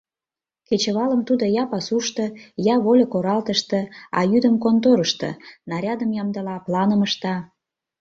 Кечывалым тудо я пасушто, я вольык оралтыште, а йӱдым конторышто — нарядым ямдыла, планым ышта.